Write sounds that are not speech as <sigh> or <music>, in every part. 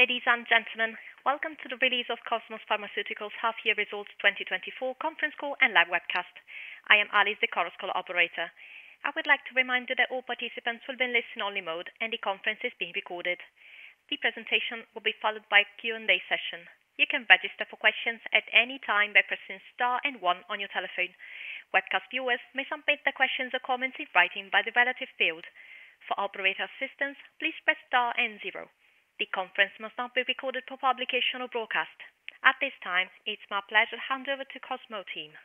Ladies and gentlemen, welcome to the release of Cosmo Pharmaceuticals' half-year results 2024 conference call and live webcast. I am Alice, the Chorus Call operator. I would like to remind you that all participants will be in listen-only mode, and the conference is being recorded. The presentation will be followed by a Q&A session. You can register for questions at any time by pressing Star and 1 on your telephone. Webcast viewers may submit their questions or comments in writing by the relative field. For operator assistance, please press Star and 0. The conference must not be recorded for publication or broadcast. At this time, it's my pleasure to hand over to the Cosmo team.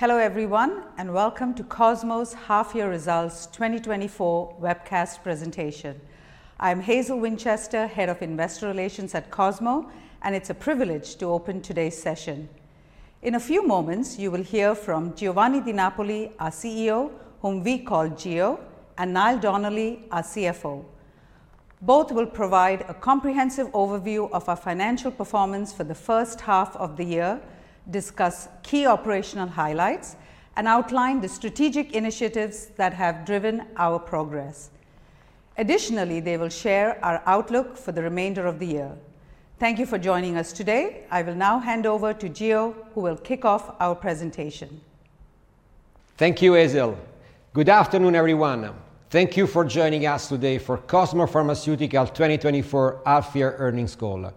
Hello everyone, and welcome to Cosmo's half-year results 2024 webcast presentation. I'm Hazel Winchester, Head of Investor Relations at Cosmo, and it's a privilege to open today's session. In a few moments, you will hear from Giovanni Di Napoli, our CEO, whom we call Gio, and Niall Donnelly, our CFO. Both will provide a comprehensive overview of our financial performance for the first half of the year, discuss key operational highlights, and outline the strategic initiatives that have driven our progress. Additionally, they will share our outlook for the remainder of the year. Thank you for joining us today. I will now hand over to Gio, who will kick off our presentation. Thank you, Hazel. Good afternoon, everyone. Thank you for joining us today for Cosmo Pharmaceuticals' 2024 half-year earnings call.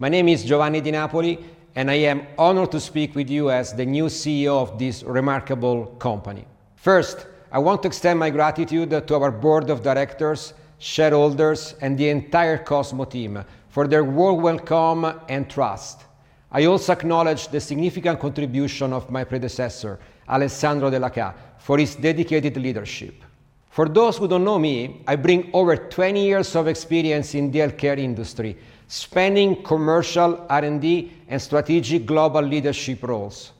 My name is Giovanni Di Napoli, and I am honored to speak with you as the new CEO of this remarkable company. First, I want to extend my gratitude to our board of directors, shareholders, and the entire Cosmo team for their warm welcome and trust. I also acknowledge the significant contribution of my predecessor, Alessandro Della Chà, for his dedicated leadership. For those who don't know me, I bring over 20 years of experience in the healthcare industry, spanning commercial, R&D, and strategic global leadership roles.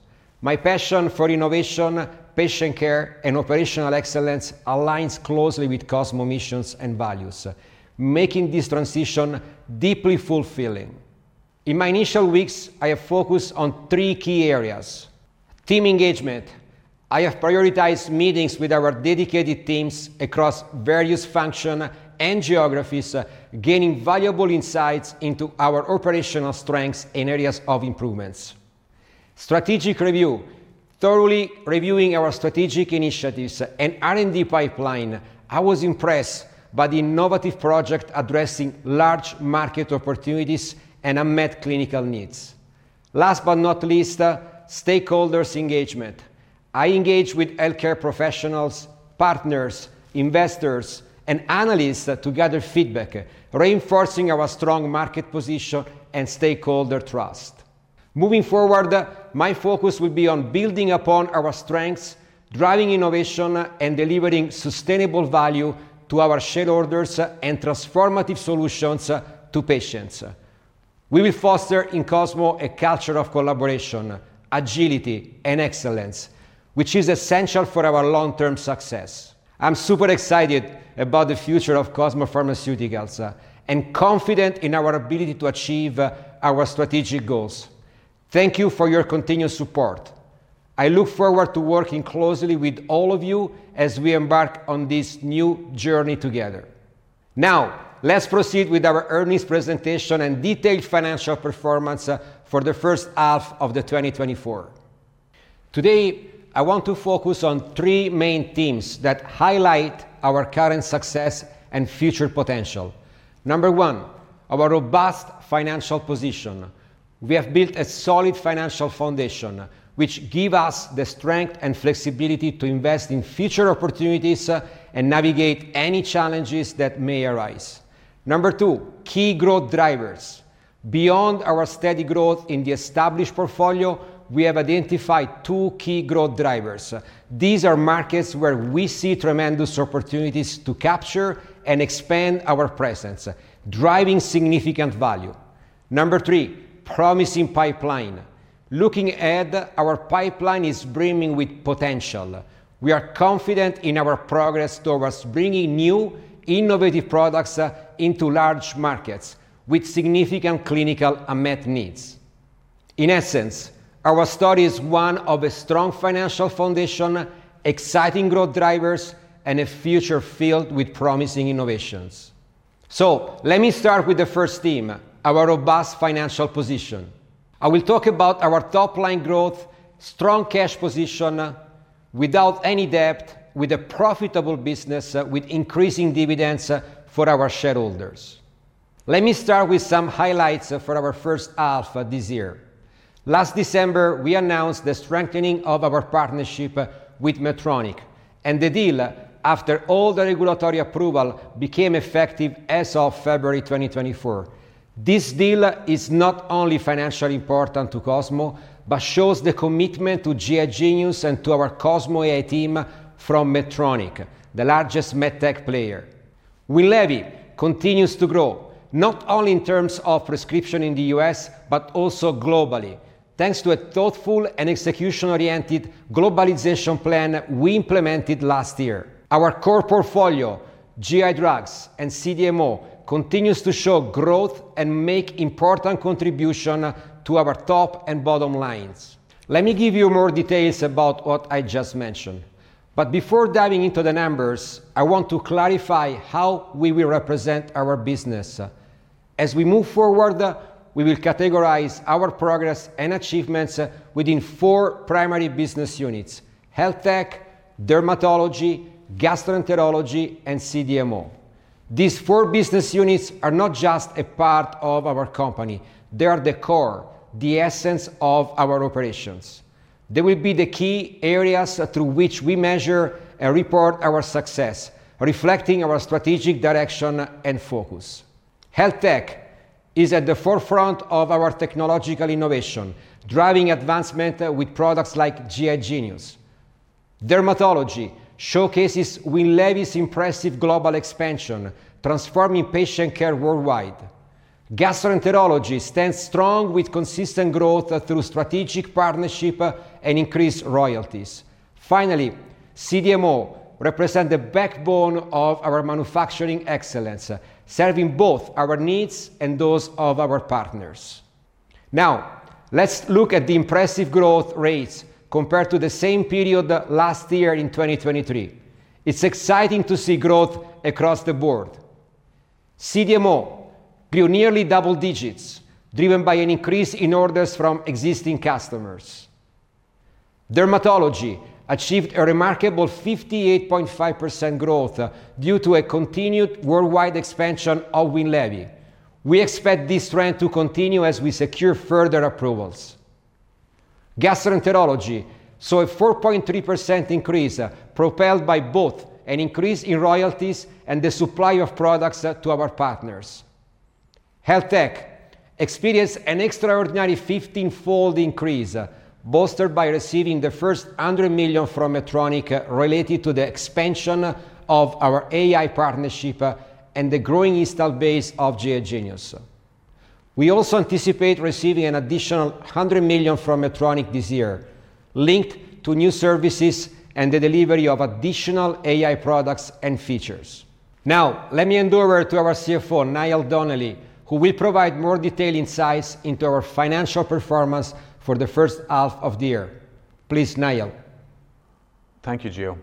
My passion for innovation, patient care, and operational excellence aligns closely with Cosmo's missions and values, making this transition deeply fulfilling. In my initial weeks, I have focused on three key areas: Team engagement: I have prioritized meetings with our dedicated teams across various functions and geographies, gaining valuable insights into our operational strengths and areas of improvement. Strategic review: Thoroughly reviewing our strategic initiatives and R&D pipeline, I was impressed by the innovative project addressing large market opportunities and unmet clinical needs. Last but not least, stakeholders' engagement: I engage with healthcare professionals, partners, investors, and analysts to gather feedback, reinforcing our strong market position and stakeholder trust. Moving forward, my focus will be on building upon our strengths, driving innovation, and delivering sustainable value to our shareholders and transformative solutions to patients. We will foster in Cosmo a culture of collaboration, agility, and excellence, which is essential for our long-term success. I'm super excited about the future of Cosmo Pharmaceuticals and confident in our ability to achieve our strategic goals. Thank you for your continued support. I look forward to working closely with all of you as we embark on this new journey together. Now, let's proceed with our earnings presentation and detailed financial performance for the first half of 2024. Today, I want to focus on three main themes that highlight our current success and future potential. Number one, our robust financial position. We have built a solid financial foundation, which gives us the strength and flexibility to invest in future opportunities and navigate any challenges that may arise. Number two, key growth drivers. Beyond our steady growth in the established portfolio, we have identified two key growth drivers. These are markets where we see tremendous opportunities to capture and expand our presence, driving significant value. Number three, promising pipeline. Looking ahead, our pipeline is brimming with potential. We are confident in our progress towards bringing new, innovative products into large markets with significant clinical unmet needs. In essence, our story is one of a strong financial foundation, exciting growth drivers, and a future filled with promising innovations. So, let me start with the first theme, our robust financial position. I will talk about our top-line growth, strong cash position without any debt, with a profitable business, with increasing dividends for our shareholders. Let me start with some highlights for our first half this year. Last December, we announced the strengthening of our partnership with Medtronic, and the deal, after all the regulatory approval, became effective as of February 2024. This deal is not only financially important to Cosmo but shows the commitment to GI Genius and to our Cosmo AI team from Medtronic, the largest medtech player. Winlevi continues to grow, not only in terms of prescriptions in the U.S. but also globally, thanks to a thoughtful and execution-oriented globalization plan we implemented last year. Our core portfolio, GI drugs and CDMO, continues to show growth and make important contributions to our top and bottom lines. Let me give you more details about what I just mentioned. But before diving into the numbers, I want to clarify how we will represent our business. As we move forward, we will categorize our progress and achievements within four primary business units: health tech, dermatology, gastroenterology, and CDMO. These four business units are not just a part of our company; they are the core, the essence of our operations. They will be the key areas through which we measure and report our success, reflecting our strategic direction and focus. Health tech is at the forefront of our technological innovation, driving advancement with products like GI Genius. Dermatology showcases Winlevi's impressive global expansion, transforming patient care worldwide. Gastroenterology stands strong with consistent growth through strategic partnerships and increased royalties. Finally, CDMO represents the backbone of our manufacturing excellence, serving both our needs and those of our partners. Now, let's look at the impressive growth rates compared to the same period last year in 2023. It's exciting to see growth across the board. CDMO grew nearly double digits, driven by an increase in orders from existing customers. Dermatology achieved a remarkable 58.5% growth due to a continued worldwide expansion of Winlevi. We expect this trend to continue as we secure further approvals. Gastroenterology saw a 4.3% increase, propelled by both an increase in royalties and the supply of products to our partners. Health Tech experienced an extraordinary 15-fold increase, bolstered by receiving the first $100 million from Medtronic related to the expansion of our AI partnership and the growing installed base of GI Genius. We also anticipate receiving an additional $100 million from Medtronic this year, linked to new services and the delivery of additional AI products and features. Now, let me hand over to our CFO, Niall Donnelly, who will provide more detailed insights into our financial performance for the first half of the year. Please, Niall. Thank you, Gio.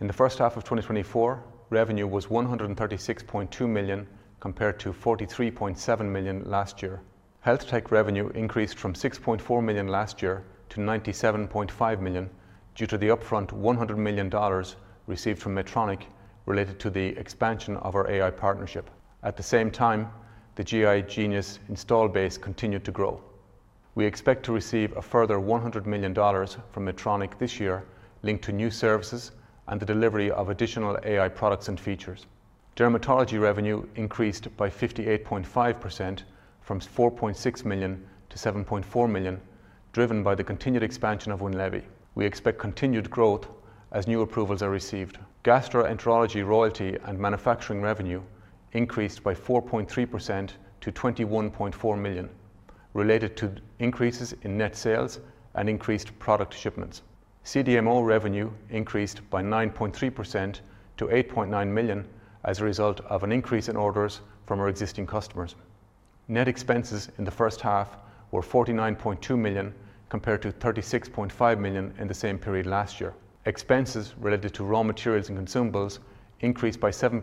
In the first half of 2024, revenue was 136.2 million compared to 43.7 million last year. Health tech revenue increased from 6.4 million last year to 97.5 million due to the upfront $100 million received from Medtronic related to the expansion of our AI partnership. At the same time, the GI Genius install base continued to grow. We expect to receive a further $100 million from Medtronic this year, linked to new services and the delivery of additional AI products and features. Dermatology revenue increased by 58.5% from 4.6 million to 7.4 million, driven by the continued expansion of Winlevi. We expect continued growth as new approvals are received. Gastroenterology royalty and manufacturing revenue increased by 4.3% to 21.4 million related to increases in net sales and increased product shipments. CDMO revenue increased by 9.3% to 8.9 million as a result of an increase in orders from our existing customers. Net expenses in the first half were 49.2 million compared to 36.5 million in the same period last year. Expenses related to raw materials and consumables increased by 7%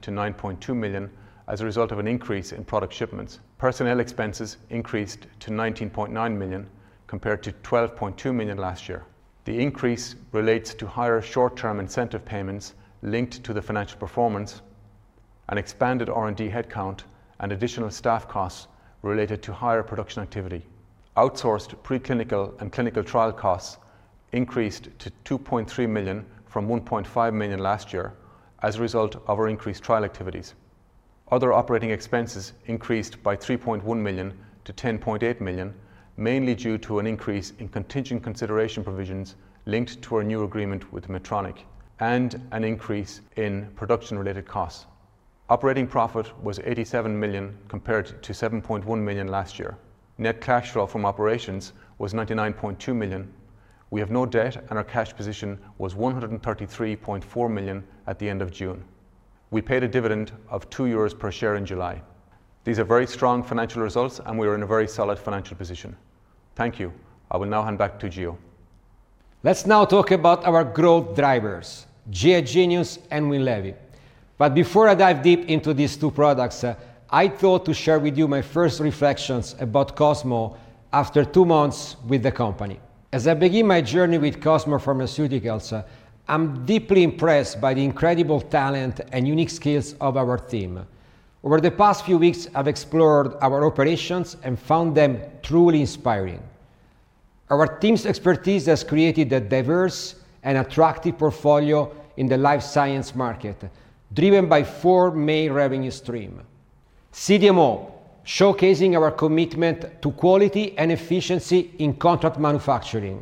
to 9.2 million as a result of an increase in product shipments. Personnel expenses increased to 19.9 million compared to 12.2 million last year. The increase relates to higher short-term incentive payments linked to the financial performance, an expanded R&D headcount, and additional staff costs related to higher production activity. Outsourced preclinical and clinical trial costs increased to 2.3 million from 1.5 million last year as a result of our increased trial activities. Other operating expenses increased by 3.1 million to 10.8 million, mainly due to an increase in contingent consideration provisions linked to our new agreement with Medtronic and an increase in production-related costs. Operating profit was 87 million compared to 7.1 million last year. Net cash flow from operations was 99.2 million. We have no debt, and our cash position was 133.4 million at the end of June. We paid a dividend of 2 euros per share in July. These are very strong financial results, and we are in a very solid financial position. Thank you. I will now hand back to Gio. Let's now talk about our growth drivers: GI Genius and Winlevi. But before I dive deep into these two products, I thought to share with you my first reflections about Cosmo after two months with the company. As I begin my journey with Cosmo Pharmaceuticals, I'm deeply impressed by the incredible talent and unique skills of our team. Over the past few weeks, I've explored our operations and found them truly inspiring. Our team's expertise has created a diverse and attractive portfolio in the life science market, driven by four main revenue streams: CDMO, showcasing our commitment to quality and efficiency in contract manufacturing;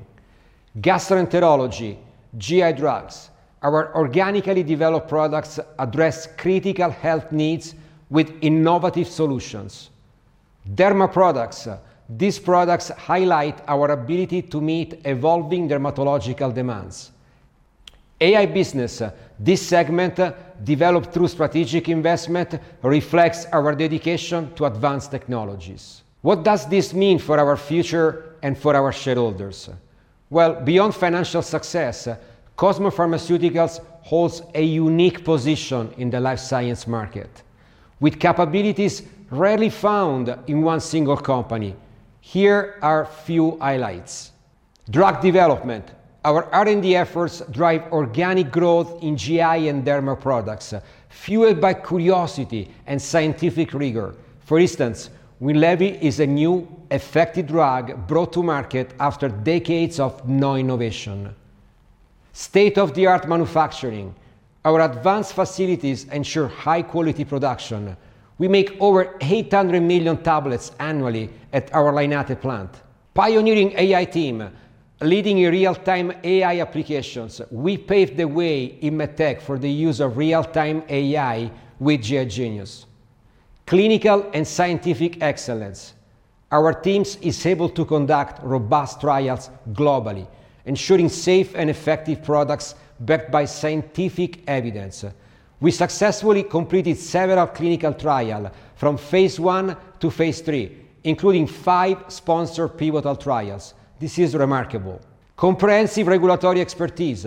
Gastroenterology, GI drugs. Our organically developed products address critical health needs with innovative solutions. Derma products. These products highlight our ability to meet evolving dermatological demands. AI business. This segment, developed through strategic investment, reflects our dedication to advanced technologies. What does this mean for our future and for our shareholders? Well, beyond financial success, Cosmo Pharmaceuticals holds a unique position in the life science market with capabilities rarely found in one single company. Here are a few highlights: Drug development. Our R&D efforts drive organic growth in GI and derma products, fueled by curiosity and scientific rigor. For instance, Winlevi is a new, effective drug brought to market after decades of no innovation. State-of-the-art manufacturing. Our advanced facilities ensure high-quality production. We make over 800 million tablets annually at our Lainate plant. Pioneering AI team. Leading in real-time AI applications. We paved the way in medtech for the use of real-time AI with GI Genius. Clinical and scientific excellence. Our team is able to conduct robust trials globally, ensuring safe and effective products backed by scientific evidence. We successfully completed several clinical trials from phase 1 to phase 3, including 5 sponsored pivotal trials. This is remarkable. Comprehensive regulatory expertise.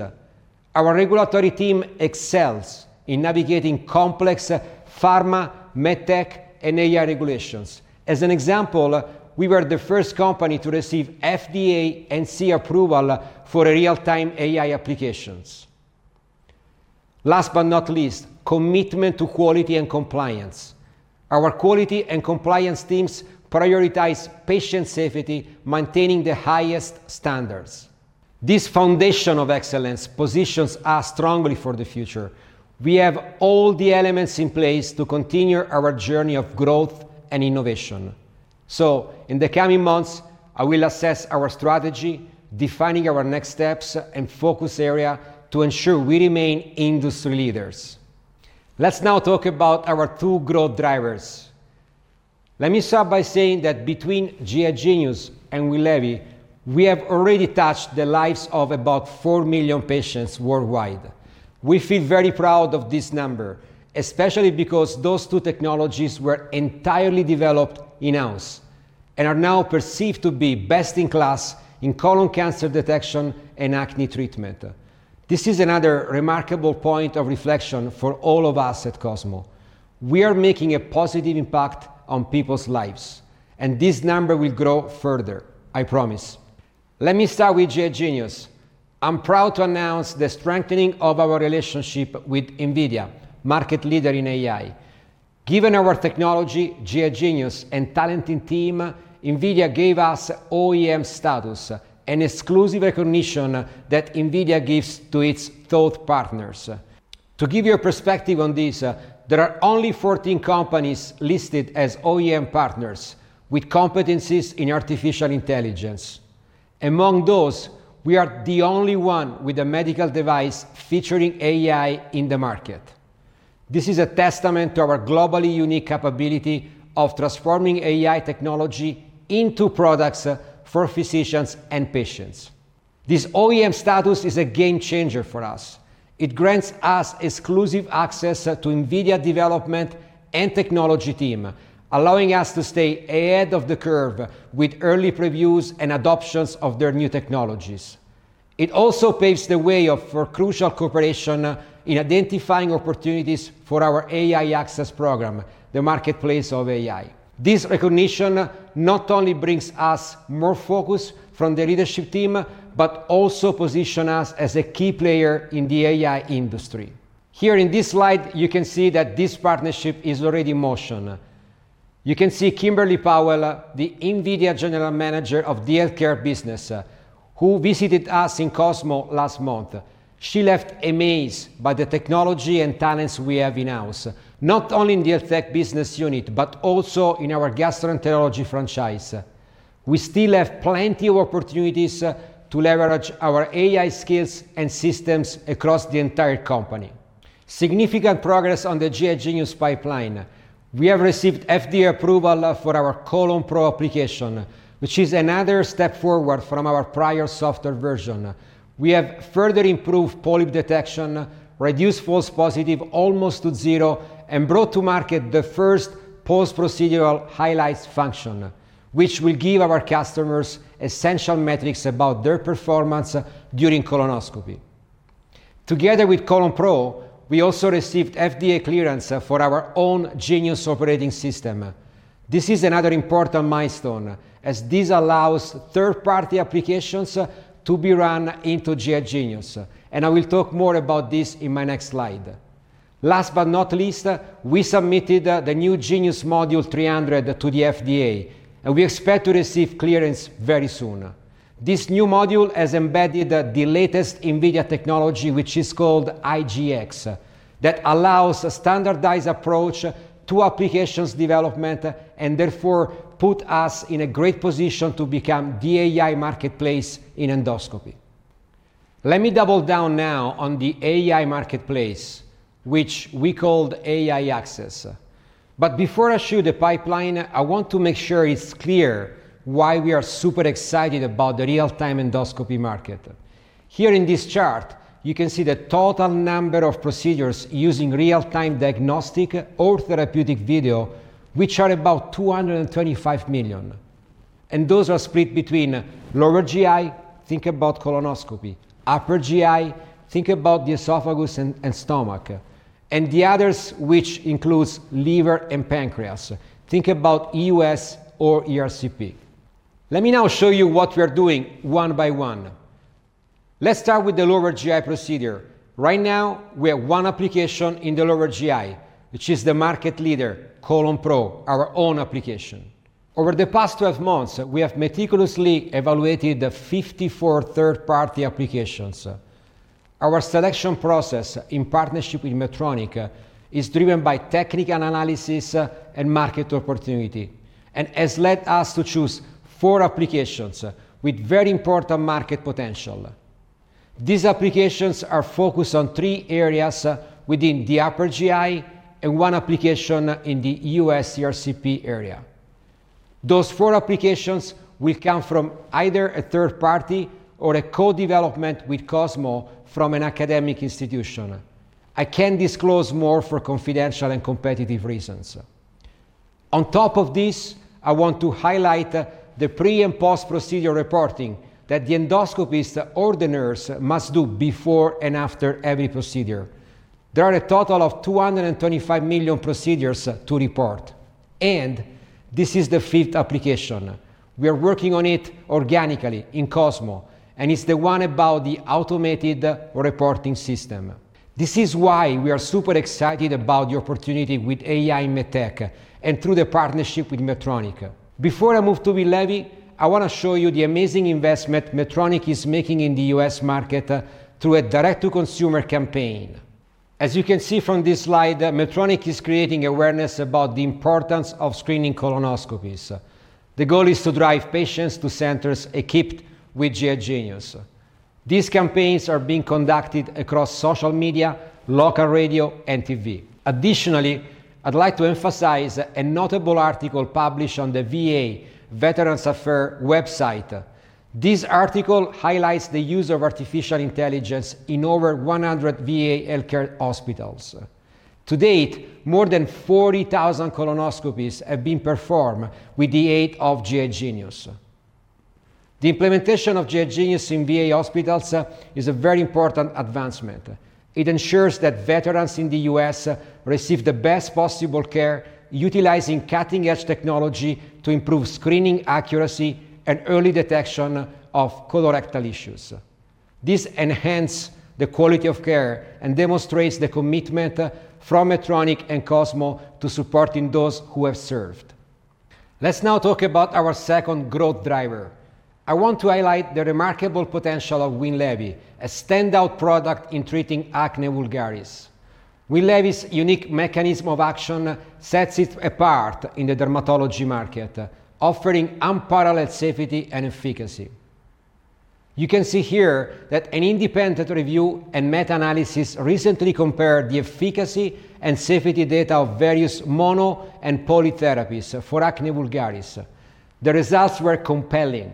Our regulatory team excels in navigating complex pharma, medtech, and AI regulations. As an example, we were the first company to receive FDA and CE Mark approval for real-time AI applications. Last but not least, commitment to quality and compliance. Our quality and compliance teams prioritize patient safety, maintaining the highest standards. This foundation of excellence positions us strongly for the future. We have all the elements in place to continue our journey of growth and innovation. So, in the coming months, I will assess our strategy, defining our next steps and focus areas to ensure we remain industry leaders. Let's now talk about our two growth drivers. Let me start by saying that between GI Genius and Winlevi, we have already touched the lives of about 4 million patients worldwide. We feel very proud of this number, especially because those two technologies were entirely developed in-house and are now perceived to be best in class in colon cancer detection and acne treatment. This is another remarkable point of reflection for all of us at Cosmo. We are making a positive impact on people's lives, and this number will grow further, I promise. Let me start with GI Genius. I'm proud to announce the strengthening of our relationship with NVIDIA, market leader in AI. Given our technology, GI Genius, and talented team, NVIDIA gave us OEM status, an exclusive recognition that NVIDIA gives to its thought partners. To give you a perspective on this, there are only 14 companies listed as OEM partners with competencies in artificial intelligence. Among those, we are the only one with a medical device featuring AI in the market. This is a testament to our globally unique capability of transforming AI technology into products for physicians and patients. This OEM status is a game changer for us. It grants us exclusive access to NVIDIA's development and technology team, allowing us to stay ahead of the curve with early previews and adoptions of their new technologies. It also paves the way for crucial cooperation in identifying opportunities for our AI access program, the marketplace of AI. This recognition not only brings us more focus from the leadership team but also positions us as a key player in the AI industry. Here in this slide, you can see that this partnership is already in motion. You can see Kimberly Powell, the NVIDIA General Manager of the healthcare business, who visited us in Cosmo last month. She left amazed by the technology and talents we have in-house, not only in the health tech business unit but also in our gastroenterology franchise. We still have plenty of opportunities to leverage our AI skills and systems across the entire company. Significant progress on the GI Genius pipeline. We have received FDA approval for our ColonPro application, which is another step forward from our prior software version. We have further improved polyp detection, reduced false positives almost to zero, and brought to market the first post-procedural highlights function, which will give our customers essential metrics about their performance during colonoscopy. Together with ColonPro, we also received FDA clearance for our own Genius Operating System. This is another important milestone, as this allows third-party applications to be run into GI Genius, and I will talk more about this in my next slide. Last but not least, we submitted the new Genius Module 300 to the FDA, and we expect to receive clearance very soon. This new module has embedded the latest NVIDIA technology, which is called IGX, that allows a standardized approach to applications development and therefore puts us in a great position to become the AI marketplace in endoscopy. Let me double down now on the AI marketplace, which we called AI Access. But before I show you the pipeline, I want to make sure it's clear why we are super excited about the real-time endoscopy market. Here in this chart, you can see the total number of procedures using real-time diagnostic or therapeutic video, which are about 225 million. Those are split between lower GI, think about colonoscopy. Upper GI, think about the esophagus and stomach. And the others, which include liver and pancreas, think about EUS or ERCP. Let me now show you what we are doing one by one. Let's start with the lower GI procedure. Right now, we have one application in the lower GI, which is the market leader, ColonPro, our own application. Over the past 12 months, we have meticulously evaluated the 54 third-party applications. Our selection process, in partnership with Medtronic, is driven by technical analysis and market opportunity and has led us to choose four applications with very important market potential. These applications are focused on three areas within the upper GI and one application in the EUS/ERCP area. Those four applications will come from either a third party or a co-development with Cosmo from an academic institution. I can't disclose more for confidential and competitive reasons. On top of this, I want to highlight the pre- and post-procedure reporting that the endoscopists or the nurses must do before and after every procedure. There are a total of 225 million procedures to report, and this is the fifth application. We are working on it organically in Cosmo, and it's the one about the automated reporting system. This is why we are super excited about the opportunity with AI in medtech and through the partnership with Medtronic. Before I move to Winlevi, I want to show you the amazing investment Medtronic is making in the U.S. market through a direct-to-consumer campaign. As you can see from this slide, Medtronic is creating awareness about the importance of screening colonoscopies. The goal is to drive patients to centers equipped with GI Genius. These campaigns are being conducted across social media, local radio, and TV. Additionally, I'd like to emphasize a notable article published on the VA Veterans Affairs website. This article highlights the use of artificial intelligence in over 100 VA healthcare hospitals. To date, more than 40,000 colonoscopies have been performed with the aid of GI Genius. The implementation of GI Genius in VA hospitals is a very important advancement. It ensures that veterans in the U.S. receive the best possible care, utilizing cutting-edge technology to improve screening accuracy and early detection of colorectal issues. This enhances the quality of care and demonstrates the commitment from Medtronic and Cosmo to supporting those who have served. Let's now talk about our second growth driver. I want to highlight the remarkable potential of Winlevi, a standout product in treating acne vulgaris. Winlevi's unique mechanism of action sets it apart in the dermatology market, offering unparalleled safety and efficacy. You can see here that an independent review and meta-analysis recently compared the efficacy and safety data of various mono and poly therapies for acne vulgaris. The results were compelling.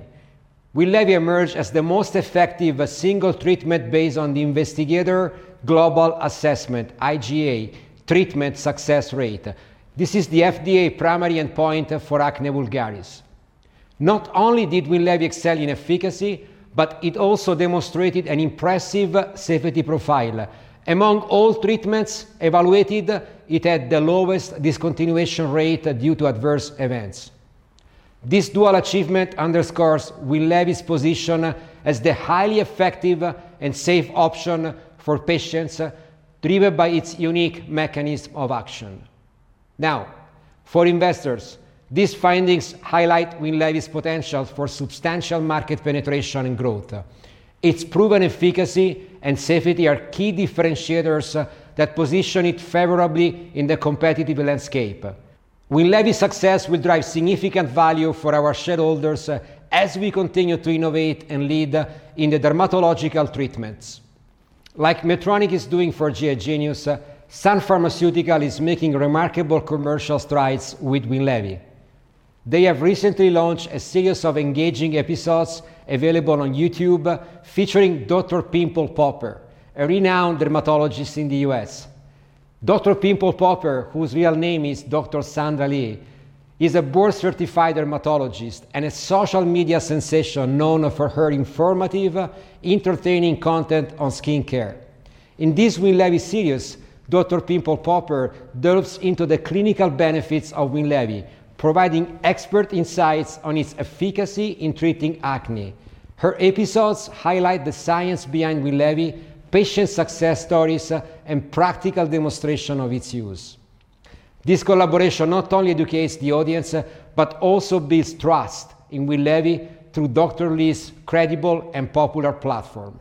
Winlevi emerged as the most effective single treatment based on the Investigator Global Assessment (IGA) treatment success rate. This is the FDA primary endpoint for acne vulgaris. Not only did Winlevi excel in efficacy, but it also demonstrated an impressive safety profile. Among all treatments evaluated, it had the lowest discontinuation rate due to adverse events. This dual achievement underscores Winlevi's position as the highly effective and safe option for patients, driven by its unique mechanism of action. Now, for investors, these findings highlight Winlevi's potential for substantial market penetration and growth. Its proven efficacy and safety are key differentiators that position it favorably in the competitive landscape. Winlevi's success will drive significant value for our shareholders as we continue to innovate and lead in the dermatological treatments. Like Medtronic is doing for GI Genius, Sun Pharmaceuticals is making remarkable commercial strides with Winlevi. They have recently launched a series of engaging episodes available on YouTube featuring Dr. Pimple Popper, a renowned dermatologist in the U.S. Dr. Pimple Popper, whose real name is Dr. Sandra Lee, is a board-certified dermatologist and a social media sensation known for her informative, entertaining content on skincare. In this Winlevi series, Dr. Pimple Popper delves into the clinical benefits of Winlevi, providing expert insights on its efficacy in treating acne. Her episodes highlight the science behind Winlevi, patient success stories, and practical demonstrations of its use. This collaboration not only educates the audience but also builds trust in Winlevi through Dr. Lee's credible and popular platform.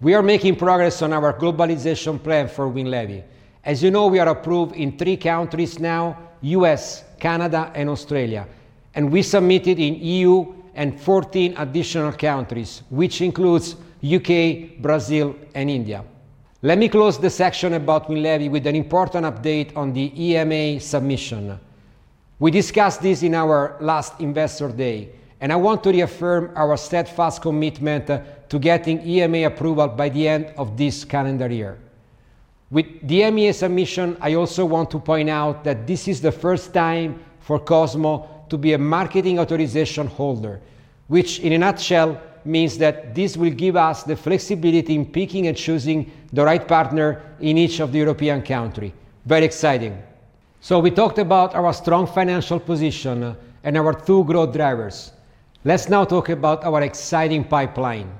We are making progress on our globalization plan for Winlevi. As you know, we are approved in three countries now: U.S., Canada, and Australia, and we submitted in the EU and 14 additional countries, which includes the U.K., Brazil, and India. Let me close the section about Winlevi with an important update on the EMA submission. We discussed this in our last Investor Day, and I want to reaffirm our steadfast commitment to getting EMA approval by the end of this calendar year. With the EMA submission, I also want to point out that this is the first time for Cosmo to be a marketing authorization holder, which in a nutshell means that this will give us the flexibility in picking and choosing the right partner in each of the European countries. Very exciting. So we talked about our strong financial position and our two growth drivers. Let's now talk about our exciting pipeline.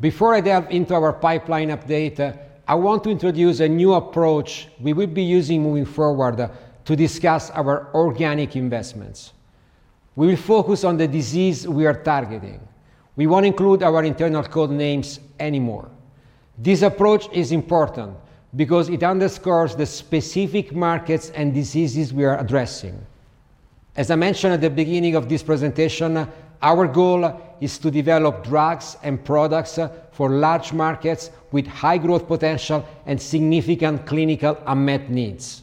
Before I delve into our pipeline update, I want to introduce a new approach we will be using moving forward to discuss our organic investments. We will focus on the disease we are targeting. We won't include our internal code names anymore. This approach is important because it underscores the specific markets and diseases we are addressing. As I mentioned at the beginning of this presentation, our goal is to develop drugs and products for large markets with high growth potential and significant clinical unmet needs.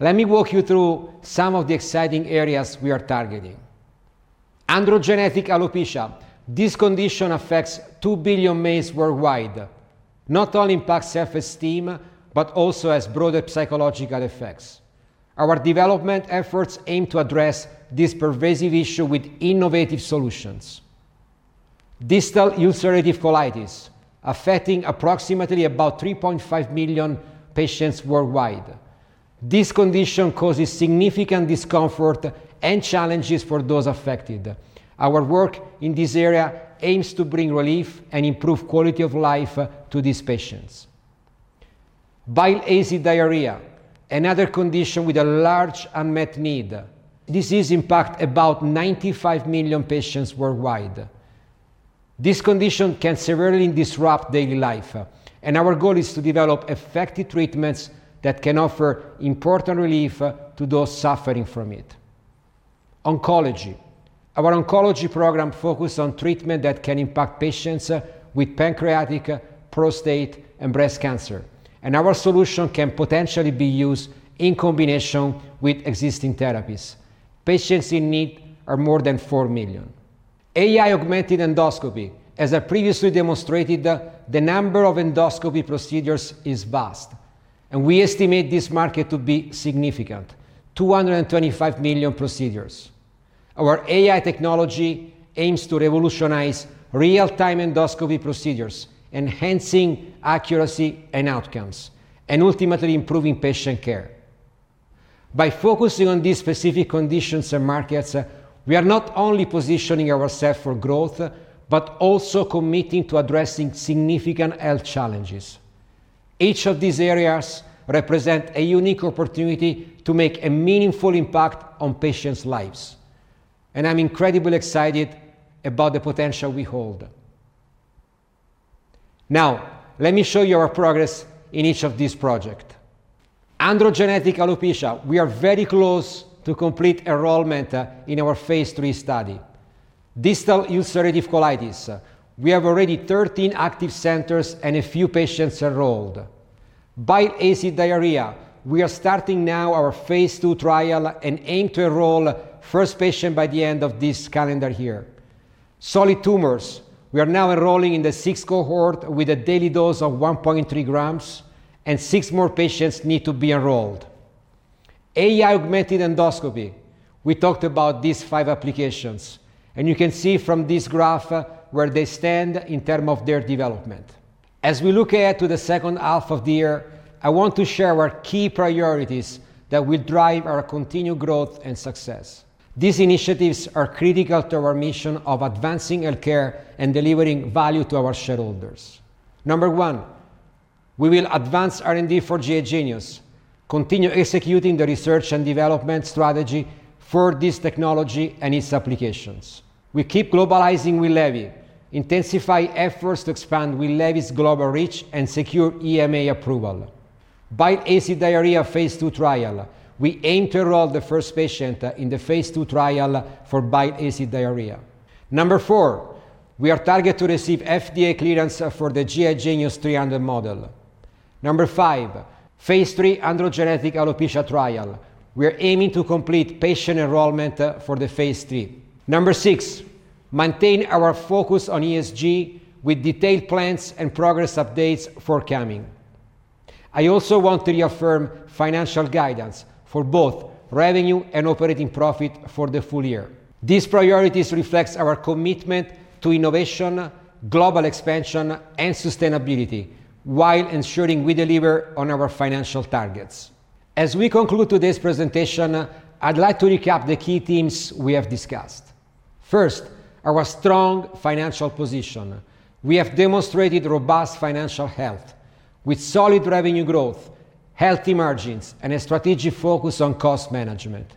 Let me walk you through some of the exciting areas we are targeting. Androgenetic alopecia, this condition affects 2 billion males worldwide. Not only impacts self-esteem but also has broader psychological effects. Our development efforts aim to address this pervasive issue with innovative solutions. Distal ulcerative colitis, affecting approximately about 3.5 million patients worldwide. This condition causes significant discomfort and challenges for those affected. Our work in this area aims to bring relief and improve quality of life to these patients. Bile acid diarrhea, another condition with a large unmet need. This is impacting about 95 million patients worldwide. This condition can severely disrupt daily life, and our goal is to develop effective treatments that can offer important relief to those suffering from it. Oncology, our oncology program focuses on treatment that can impact patients with pancreatic, prostate, and breast cancer, and our solution can potentially be used in combination with existing therapies. Patients in need are more than 4 million. AI-augmented endoscopy, as I previously demonstrated, the number of endoscopy procedures is vast, and we estimate this market to be significant: 225 million procedures. Our AI technology aims to revolutionize real-time endoscopy procedures, enhancing accuracy and outcomes, and ultimately improving patient care. By focusing on these specific conditions and markets, we are not only positioning ourselves for growth but also committing to addressing significant health challenges. Each of these areas represents a unique opportunity to make a meaningful impact on patients' lives, and I'm incredibly excited about the potential we hold. Now, let me show you our progress in each of these projects. Androgenetic alopecia, we are very close to complete enrollment in our phase 3 study. Distal ulcerative colitis, we have already 13 active centers and a few patients enrolled. Bile acid diarrhea, we are starting now our phase 2 trial and aim to enroll the first patient by the end of this calendar year. Solid tumors, we are now enrolling in the sixth cohort with a daily dose of 1.3 grams, and six more patients need to be enrolled. AI-augmented endoscopy, we talked about these five applications, and you can see from this graph where they stand in terms of their development. As we look ahead to the second half of the year, I want to share our key priorities that will drive our continued growth and success. These initiatives are critical to our mission of advancing healthcare and delivering value to our shareholders. Number one, we will advance R&D for GI Genius, continue executing the research and development strategy for this technology and its applications. We keep globalizing Winlevi, intensifying efforts to expand Winlevi's global reach and secure EMA approval. Bile acid diarrhea phase 2 trial, we aim to enroll the first patient in the phase 2 trial for bile acid diarrhea. Number four, we are targeted to receive FDA clearance for the GI Genius 300 model. 5, phase 3 androgenetic alopecia trial, we are aiming to complete patient enrollment for the phase 3. 6, maintain our focus on ESG with detailed plans and progress updates forthcoming. I also want to reaffirm financial guidance for both revenue and operating profit for the full year. These priorities reflect our commitment to innovation, global expansion, and sustainability while ensuring we deliver on our financial targets. As we conclude today's presentation, I'd like to recap the key themes we have discussed. First, our strong financial position. We have demonstrated robust financial health with solid revenue growth, healthy margins, and a strategic focus on cost management.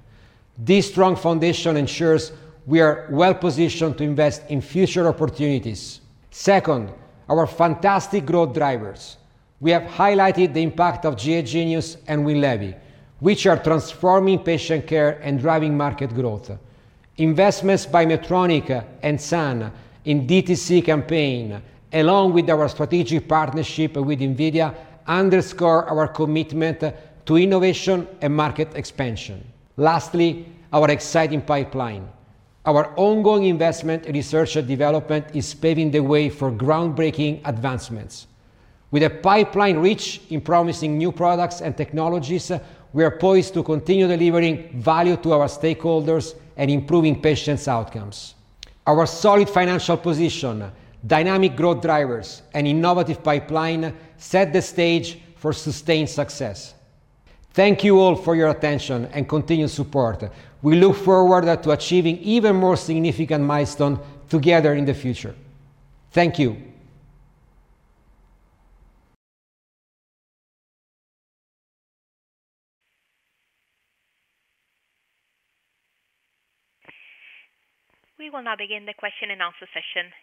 This strong foundation ensures we are well-positioned to invest in future opportunities. Second, our fantastic growth drivers. We have highlighted the impact of GI Genius and Winlevi, which are transforming patient care and driving market growth. Investments by Medtronic and Sun in DTC campaign, along with our strategic partnership with NVIDIA, underscore our commitment to innovation and market expansion. Lastly, our exciting pipeline. Our ongoing investment in research and development is paving the way for groundbreaking advancements. With a pipeline rich in promising new products and technologies, we are poised to continue delivering value to our stakeholders and improving patients' outcomes. Our solid financial position, dynamic growth drivers, and innovative pipeline set the stage for sustained success. Thank you all for your attention and continued support. We look forward to achieving even more significant milestones together in the future. Thank you. We will now begin the question and answer session.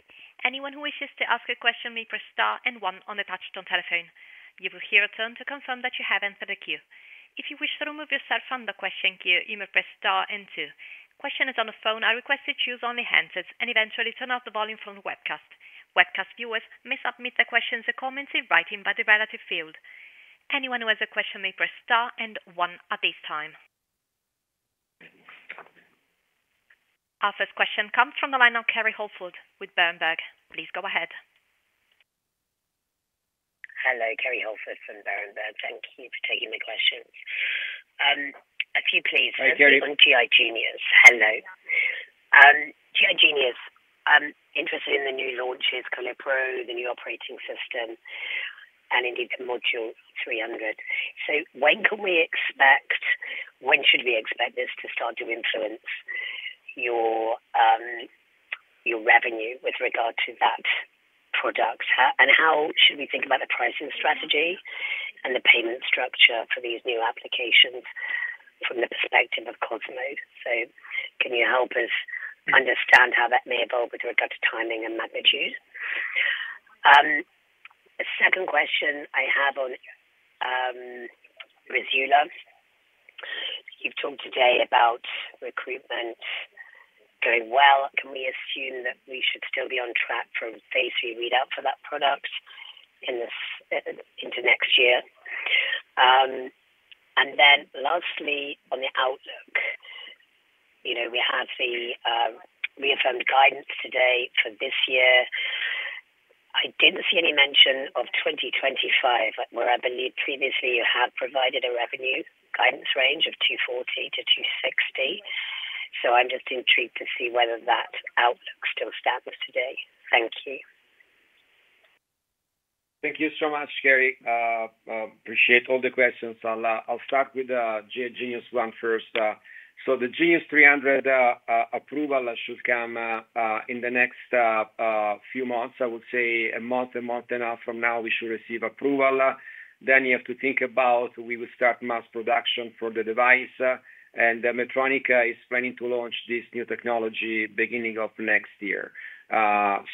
Anyone who wishes to ask a question may press star and one on the touch-tone telephone. You will hear a tone to confirm that you have entered the queue. If you wish to remove yourself from the question queue, you may press star and two. Questioners on the phone are requested to use only handsets and eventually turn off the volume from the webcast. Webcast viewers may submit their questions or comments in writing by the relevant field. Anyone who has a question may press star and one at this time. Our first question comes from the line now, Kerry Holford with Berenberg. Please go ahead. Hello, Kerry Holford from Berenberg. Thank you for taking the questions. A few, please. Hi, Kerry. GI Genius, hello. GI Genius, interested in the new launches, ColonPro, the new operating system, and indeed the Module 300. So when can we expect, when should we expect this to start to influence your revenue with regard to that product? How should we think about the pricing strategy and the payment structure for these new applications from the perspective of Cosmo? So can you help us understand how that may evolve with regard to timing and magnitude? The second question I have on Breezula. You've talked today about recruitment going well. Can we assume that we should still be on track for a phase 3 readout for that product into next year? And then lastly, on the outlook, we have the reaffirmed guidance today for this year. I didn't see any mention of 2025, where I believe previously you had provided a revenue guidance range of 240 million-260 million. So I'm just intrigued to see whether that outlook still stands today. Thank you. Thank you so much, Kerry. I appreciate all the questions. I'll start with GI Genius one first. So the Genius 300 approval should come in the next few months. I would say a month, a month and a half from now, we should receive approval. Then you have to think about we will start mass production for the device, and Medtronic is planning to launch this new technology beginning of next year.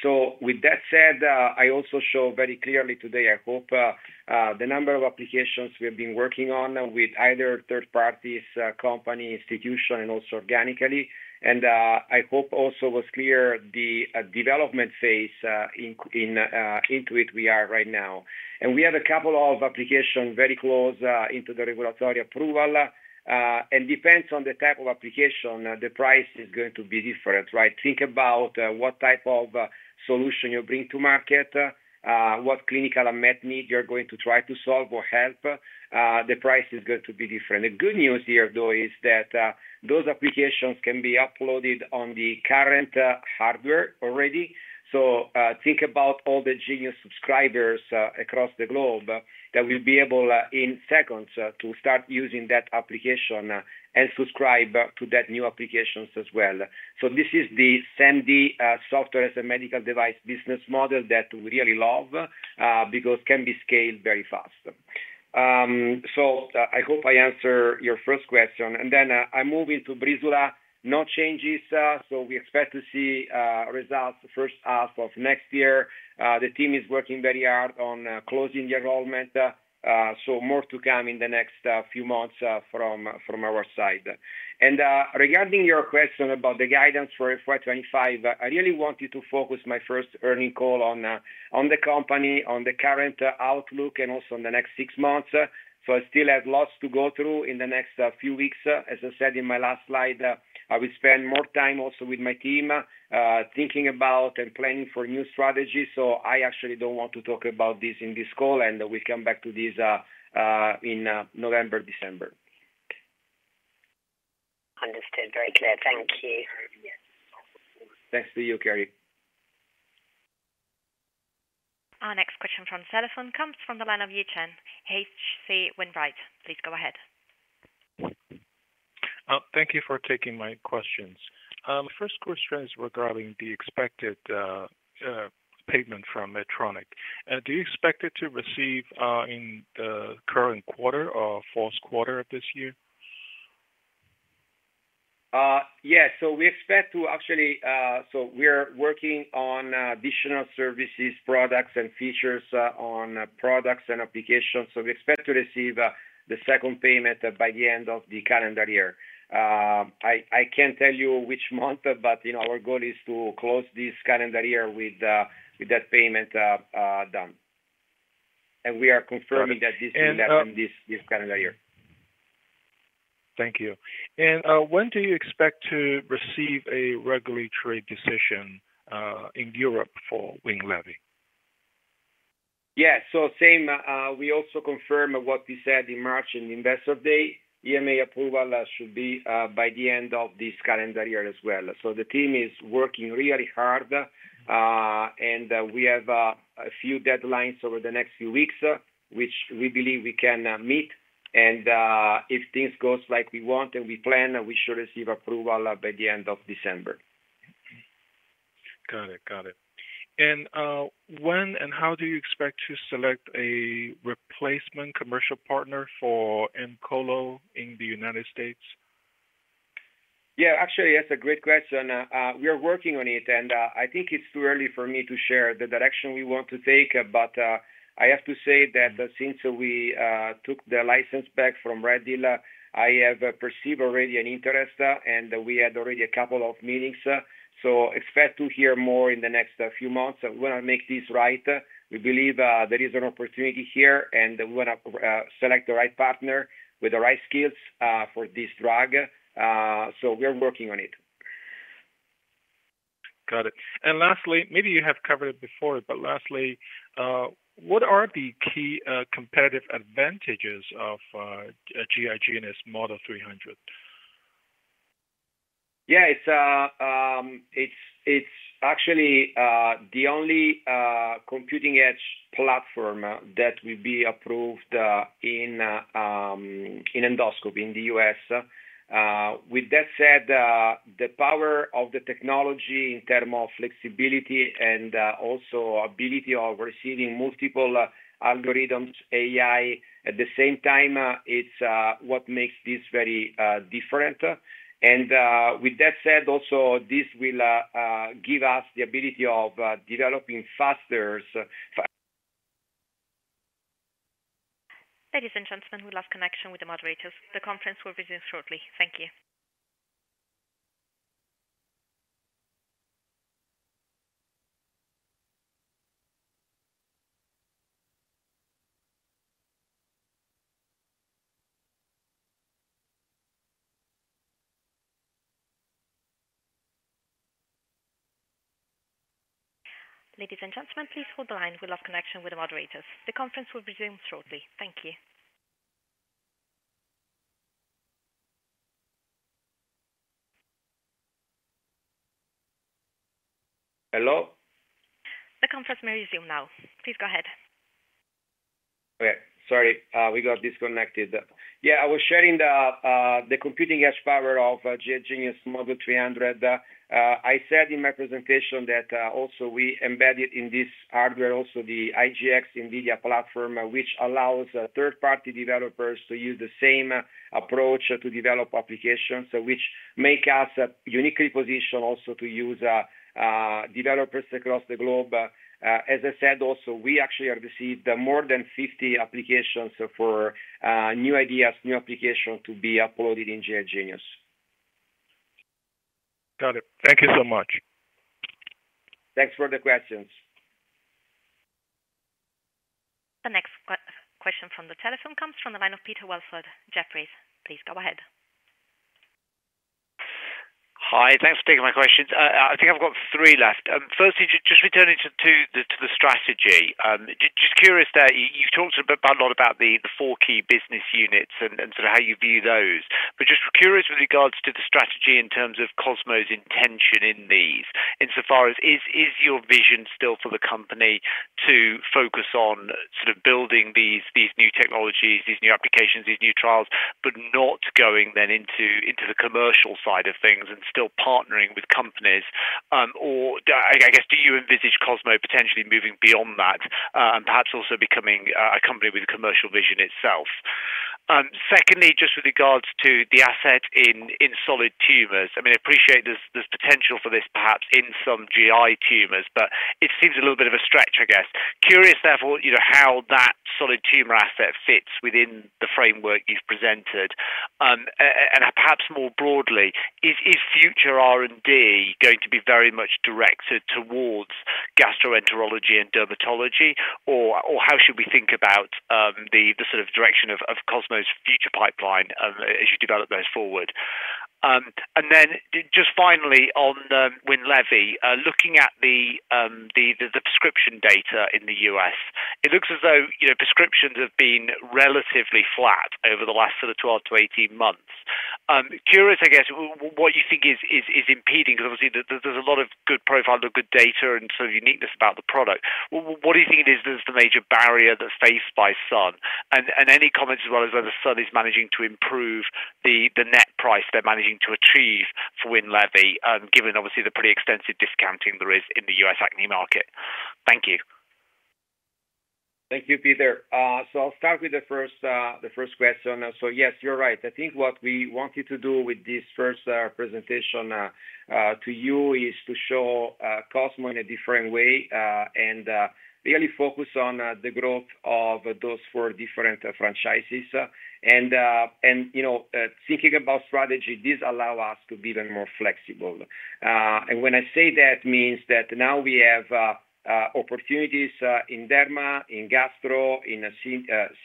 So with that said, I also show very clearly today, I hope, the number of applications we have been working on with either third-party companies, institutions, and also organically. And I hope also was clear the development phase into it we are right now. And we have a couple of applications very close into the regulatory approval. And depends on the type of application, the price is going to be different, right? Think about what type of solution you bring to market, what clinical unmet need you're going to try to solve or help. The price is going to be different. The good news here, though, is that those applications can be uploaded on the current hardware already. So think about all the Genius subscribers across the globe that will be able in seconds to start using that application and subscribe to that new applications as well. So this is the SaMD software as a medical device business model that we really love because it can be scaled very fast. So I hope I answered your first question. And then I move into Breezula. No changes. So we expect to see results first half of next year. The team is working very hard on closing the enrollment. So more to come in the next few months from our side. Regarding your question about the guidance for FY25, I really wanted to focus my first earnings call on the company, on the current outlook, and also in the next six months. I still have lots to go through in the next few weeks. As I said in my last slide, I will spend more time also with my team thinking about and planning for new strategies. I actually don't want to talk about this in this call, and we'll come back to this in November, December. Understood. Very clear. Thank you. Thanks to you, Kerry. Our next question from the telephone comes from the line of Yi Chen, H.C. Wainwright. Please go ahead. Thank you for taking my questions. My first question is regarding the expected payment from Medtronic. Do you expect it to receive in the current quarter or fourth quarter of this year? Yes. So we expect to actually so we're working on additional services, products, and features on products and applications. So we expect to receive the second payment by the end of the calendar year. I can't tell you which month, but our goal is to close this calendar year with that payment done. We are confirming that this will happen this calendar year. Thank you. When do you expect to receive a regulatory decision in Europe for Winlevi? Yes. So same. We also confirmed what we said in March and investor day. EMA approval should be by the end of this calendar year as well. So the team is working really hard, and we have a few deadlines over the next few weeks, which we believe we can meet. If things go like we want and we plan, we should receive approval by the end of December. Got it. Got it. When and how do you expect to select a replacement commercial partner for Aemcolo in the United States? Yeah. Actually, that's a great question. We are working on it, and I think it's too early for me to share the direction we want to take. But I have to say that since we took the license back from right dealer, I have perceived already an interest, and we had already a couple of meetings. So expect to hear more in the next few months. We want to make this right. We believe there is an opportunity here, and we want to select the right partner with the right skills for this drug. So we are working on it. Got it. And lastly, maybe you have covered it before, but lastly, what are the key competitive advantages of GI Genius Module 300? Yeah. It's actually the only computing edge platform that will be approved in endoscopy in the U.S. With that said, the power of the technology in terms of flexibility and also ability of receiving multiple algorithms, AI, at the same time, it's what makes this very different. And with that said, also, this will give us the ability of developing faster. Ladies and gentlemen, we lost connection with the moderators. The conference will resume shortly. Thank you. Ladies and gentlemen, please hold the line. We lost connection with the moderators. The conference will resume shortly. Thank you. Hello? The conference may resume now. Please go ahead. Okay. Sorry. We got disconnected. Yeah. I was sharing the computing edge power of GI Genius Module 300. I said in my presentation that also we embedded in this hardware also the IGX NVIDIA platform, which allows third-party developers to use the same approach to develop applications, which makes us uniquely positioned also to use developers across the globe. As I said, also, we actually have received more than 50 applications for new ideas, new applications to be uploaded in GI Genius. Got it. Thank you so much. Thanks for the questions. The next question from the telephone comes from the line of Peter Welford. Jefferies, please go ahead. Hi. Thanks for taking my question. I think I've got three left. Firstly, just returning to the strategy, just curious that you've talked a lot about the four key business units and sort of how you view those. But just curious with regards to the strategy in terms of Cosmo's intention in these, insofar as is your vision still for the company to focus on sort of building these new technologies, these new applications, these new trials, but not going then into the commercial side of things and still partnering with companies? Or I guess, do you envisage Cosmo potentially moving beyond that and perhaps also becoming a company with a commercial vision itself? Secondly, just with regards to the asset in solid tumors, I mean, I appreciate there's potential for this perhaps in some GI tumors, but it seems a little bit of a stretch, I guess. Curious, therefore, how that solid tumor asset fits within the framework you've presented. And perhaps more broadly, is future R&D going to be very much directed towards gastroenterology and dermatology? Or how should we think about the sort of direction of Cosmo's future pipeline as you develop those forward? And then just finally on Winlevi, looking at the prescription data in the U.S., it looks as though prescriptions have been relatively flat over the last sort of 12-18 months. Curious, I guess, what you think is impeding because obviously there's a lot of good profile, good data, and sort of uniqueness about the product. What do you think is the major barrier that's faced by Sun? And any comments as well as whether Sun is managing to improve the net price they're managing to achieve for Winlevi, given obviously the pretty extensive discounting there is in the U.S. acne market? Thank you. Thank you, Peter. So I'll start with the first question. So yes, you're right. I think what we wanted to do with this first presentation to you is to show Cosmo in a different way and really focus on the growth of those four different franchises. Thinking about strategy, this allows us to be even more flexible. When I say that, it means that now we have opportunities in derma, in gastro, in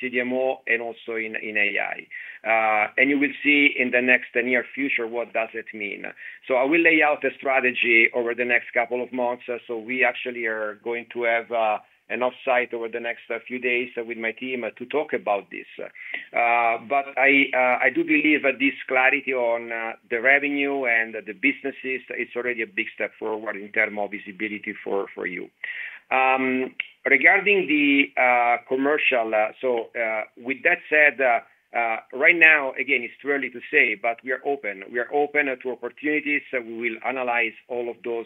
CDMO, and also in AI. You will see in the next near future what does it mean. I will lay out a strategy over the next couple of months. We actually are going to have an offsite over the next few days with my team to talk about this. But I do believe that this clarity on the revenue and the businesses, it's already a big step forward in terms of visibility for you. Regarding the commercial, so with that said, right now, again, it's too early to say, but we are open. We are open to opportunities. We will analyze all of those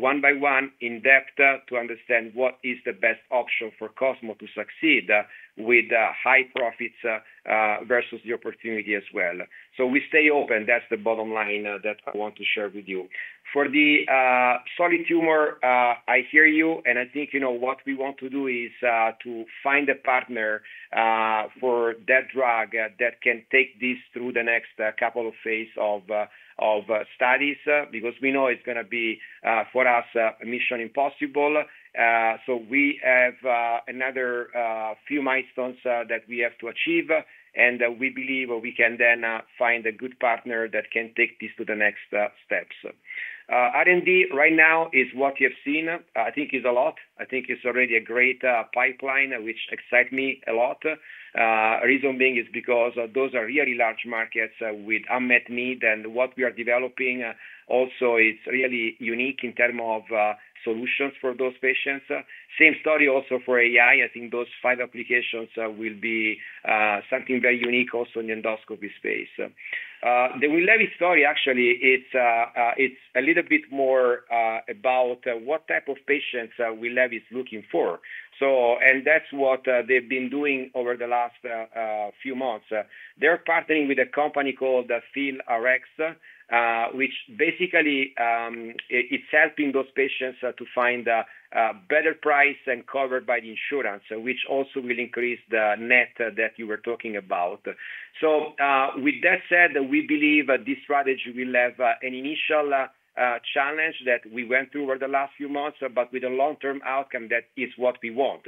one by one in depth to understand what is the best option for Cosmo to succeed with high profits versus the opportunity as well. So we stay open. That's the bottom line that I want to share with you. For the solid tumor, I hear you. And I think what we want to do is to find a partner for that drug that can take this through the next couple of phases of studies because we know it's going to be, for us, a mission impossible. So we have another few milestones that we have to achieve. And we believe we can then find a good partner that can take this to the next steps. R&D right now is what you have seen. I think it's a lot. I think it's already a great pipeline, which excites me a lot. The reason being is because those are really large markets with unmet need. And what we are developing also is really unique in terms of solutions for those patients. Same story also for AI. I think those five applications will be something very unique also in the endoscopy space. The Winlevi story, actually, it's a little bit more about what type of patients Winlevi is looking for. And that's what they've been doing over the last few months. They're partnering with a company called PhilRx, which basically is helping those patients to find a better price and covered by the insurance, which also will increase the net that you were talking about. So with that said, we believe this strategy will have an initial challenge that we went through over the last few months, but with a long-term outcome that is what we want.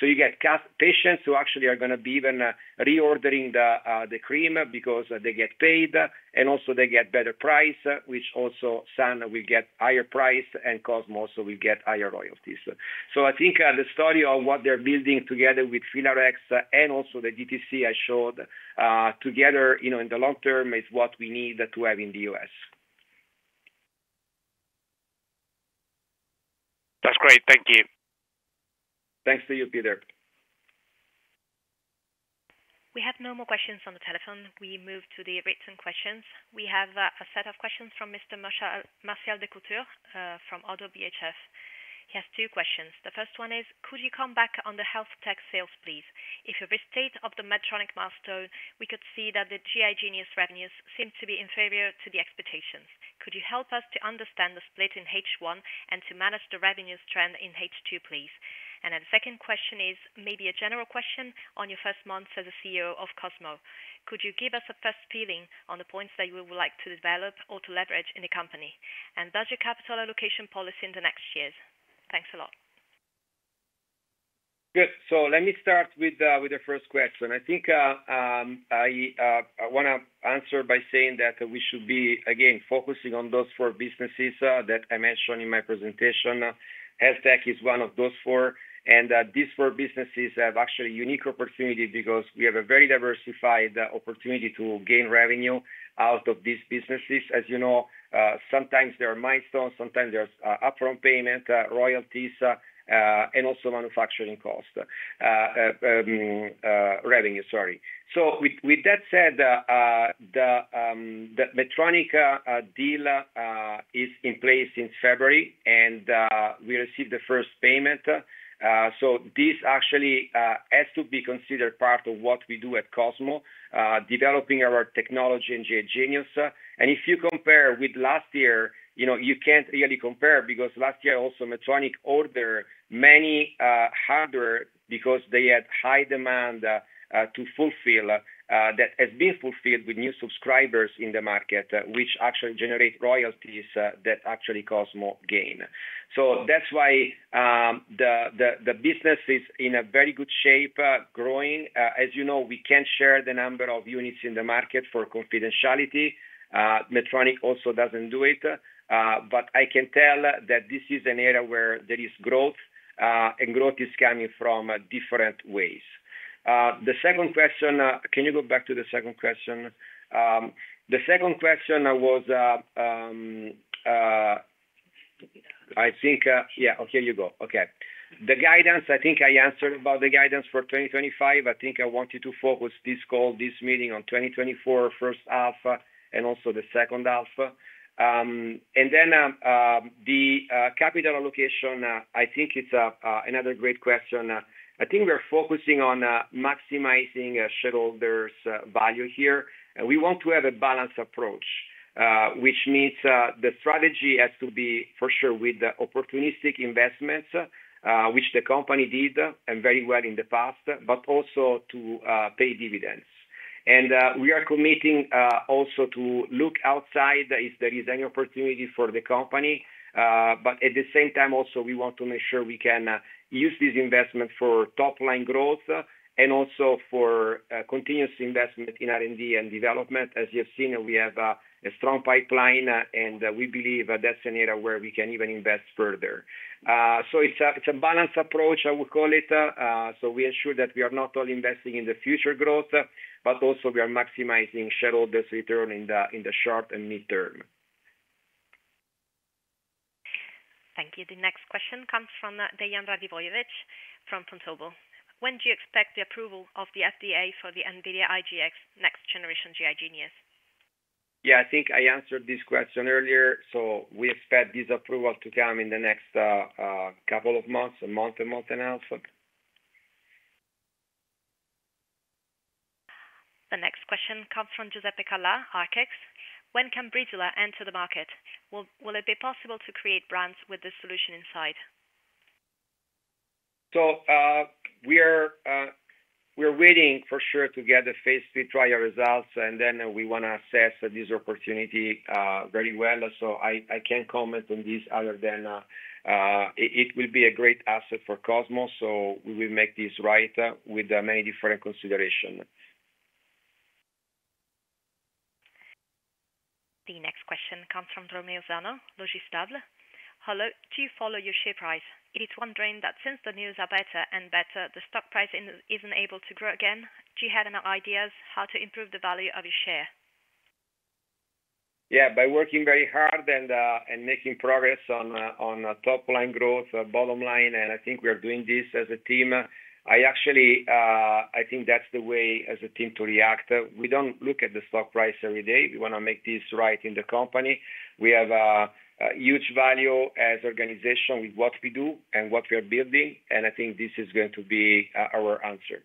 So you get patients who actually are going to be even reordering the cream because they get paid, and also they get better price, which also Sun will get higher price and Cosmo also will get higher royalties. So I think the story of what they're building together with PhilRx and also the DTC I showed together in the long term is what we need to have in the US. That's great. Thank you. Thanks to you, Peter. We have no more questions on the telephone. We move to the written questions. We have a set of questions from Mr. Martial Descoutures from Oddo BHF. He has two questions. The first one is, could you come back on the health tech sales, please? If you restate the Medtronic milestone, we could see that the GI Genius revenues seem to be inferior to the expectations. Could you help us to understand the split in H1 and to manage the revenues trend in H2, please? And the second question is maybe a general question on your first months as a CEO of Cosmo. Could you give us a first feeling on the points that you would like to develop or to leverage in the company? And does your capital allocation policy in the next years? Thanks a lot. Good. So let me start with the first question. I think I want to answer by saying that we should be, again, focusing on those four businesses that I mentioned in my presentation. Health tech is one of those four. These four businesses have actually unique opportunities because we have a very diversified opportunity to gain revenue out of these businesses. As you know, sometimes there are milestones, sometimes there's upfront payment, royalties, and also manufacturing cost revenue, sorry. With that said, the Medtronic deal is in place since February, and we received the first payment. This actually has to be considered part of what we do at Cosmo, developing our technology in GI Genius. If you compare with last year, you can't really compare because last year, also, Medtronic ordered many hardware because they had high demand to fulfill that has been fulfilled with new subscribers in the market, which actually generates royalties that actually Cosmo gained. That's why the business is in very good shape, growing. As you know, we can't share the number of units in the market for confidentiality. Medtronic also doesn't do it. But I can tell that this is an area where there is growth, and growth is coming from different ways. The second question, can you go back to the second question? The second question was, I think, yeah, oh, here you go. Okay. The guidance, I think I answered about the guidance for 2025. I think I wanted to focus this call, this meeting on 2024 first half and also the second half. And then the capital allocation, I think it's another great question. I think we're focusing on maximizing shareholders' value here. And we want to have a balanced approach, which means the strategy has to be for sure with opportunistic investments, which the company did very well in the past, but also to pay dividends. And we are committing also to look outside if there is any opportunity for the company. But at the same time, also, we want to make sure we can use these investments for top-line growth and also for continuous investment in R&D and development. As you've seen, we have a strong pipeline, and we believe that's an area where we can even invest further. So it's a balanced approach, I would call it. So we ensure that we are not only investing in the future growth, but also we are maximizing shareholders' return in the short and midterm. Thank you. The next question comes from Deandra Dibojevich from Vontobel. When do you expect the approval of the FDA for the NVIDIA IGX Next-Generation GI Genius? Yeah, I think I answered this question earlier. So we expect this approval to come in the next couple of months, a month, a month and a half. The next question comes from Giuseppe Calà. <audio distortion> When can Breezula enter the market? Will it be possible to create brands with the solution inside? We're waiting for sure to get the phase 3 trial results, and then we want to assess this opportunity very well. I can't comment on this other than it will be a great asset for Cosmo. We will make this right with many different considerations. The next question comes from Romeo Zanno, Logistable. Hello. Do you follow your share price? It is wondering that since the news are better and better, the stock price isn't able to grow again. Do you have any ideas how to improve the value of your share? Yeah, by working very hard and making progress on top-line growth, bottom line. I think we are doing this as a team. I actually think that's the way as a team to react. We don't look at the stock price every day. We want to make this right in the company. We have huge value as an organization with what we do and what we are building. And I think this is going to be our answer.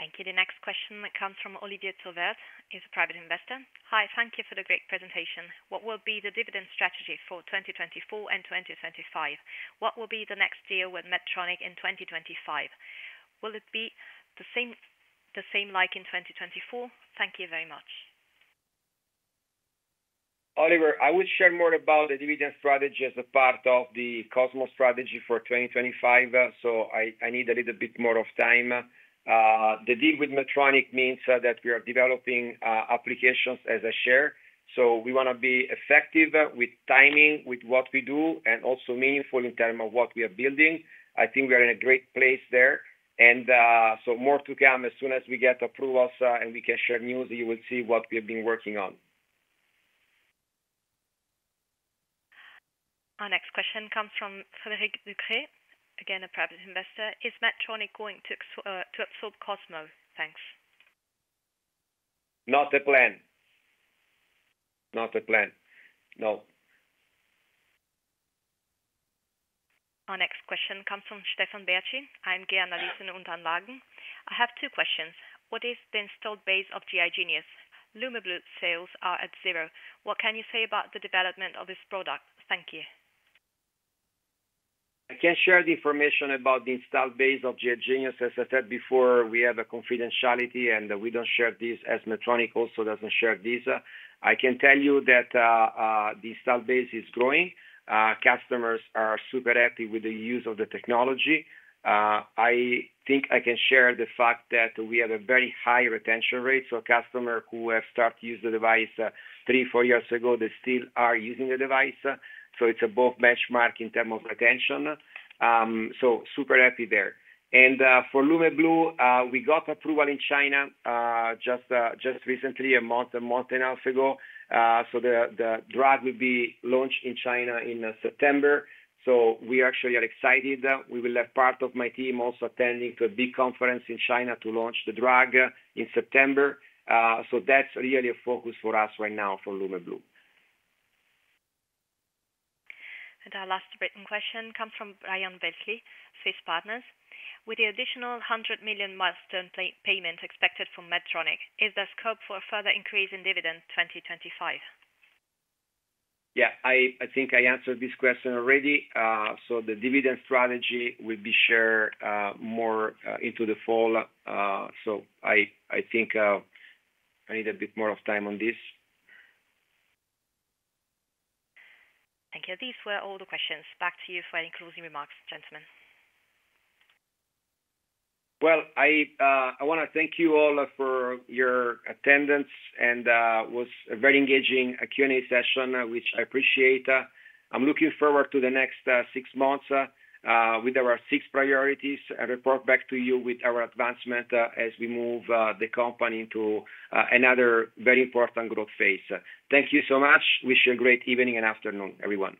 Thank you. The next question that comes from Olivier Tovert is a private investor. Hi, thank you for the great presentation. What will be the dividend strategy for 2024 and 2025? What will be the next deal with Medtronic in 2025? Will it be the same like in 2024? Thank you very much. Olivier, I would share more about the dividend strategy as a part of the Cosmo strategy for 2025. So I need a little bit more of time. The deal with Medtronic means that we are developing applications as a share. So we want to be effective with timing with what we do and also meaningful in terms of what we are building. I think we are in a great place there. And so more to come as soon as we get approvals and we can share news, you will see what we have been working on. Our next question comes from Frédéric Ducret, again a private investor. Is Medtronic going to absorb Cosmo? Thanks. Not a plan. Not a plan. No. Our next question comes from Stefan Berci. I'm. <audio distortion> I have two questions. What is the installed base of GI Genius? Lumeblue sales are at zero. What can you say about the development of this product? Thank you. I can't share the information about the installed base of GI Genius. As I said before, we have confidentiality, and we don't share this as Medtronic also doesn't share this. I can tell you that the installed base is growing. Customers are super happy with the use of the technology. I think I can share the fact that we have a very high retention rate. So a customer who has started to use the device 3, 4 years ago, they still are using the device. So it's above benchmark in terms of retention. So super happy there. And for Lumeblue, we got approval in China just recently, a month and a half ago. So the drug will be launched in China in September. So we actually are excited. We will have part of my team also attending to a big conference in China to launch the drug in September. So that's really a focus for us right now for Lumiblue. Our last written question comes from Brian Bentley, Fitz Partners. With the additional $100 million milestone payment expected from Medtronic, is there scope for further increase in dividend 2025? Yeah, I think I answered this question already. The dividend strategy will be shared more into the fall. I think I need a bit more of time on this. Thank you. These were all the questions. Back to you for any closing remarks, gentlemen. Well, I want to thank you all for your attendance. It was a very engaging Q&A session, which I appreciate. I'm looking forward to the next six months with our six priorities. I report back to you with our advancement as we move the company into another very important growth phase. Thank you so much. Wish you a great evening and afternoon, everyone.